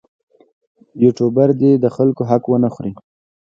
یوټوبر دې د خلکو حق ونه خوري.